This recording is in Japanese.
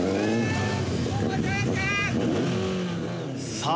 さあ